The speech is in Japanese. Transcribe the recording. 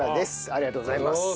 ありがとうございます。